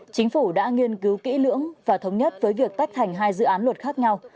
chính phủ đã nghiên cứu kỹ lưỡng và thống nhất với việc tách thành hai dự án luật khác nhau